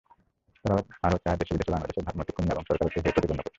তারা আরও চায় দেশে-বিদেশে বাংলা দেশের ভাবমূর্তি ক্ষুণ্ন এবং সরকারকে হেয়প্রতিপন্ন করতে।